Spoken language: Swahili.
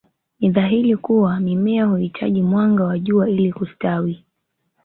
Ni dhahiri kuwa Mimea huitaji mwanga wa jua ili kustawi